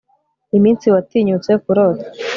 Iminsi watinyutse kurota